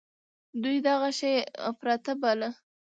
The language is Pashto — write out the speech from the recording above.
دوى دغه شى اپرات باله.